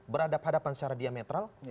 berhadapan secara diametral